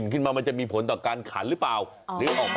นะว่าดูแล้ว